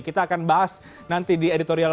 kita akan bahas nanti di editorial